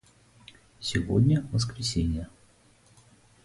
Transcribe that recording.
Сегодня воскресение.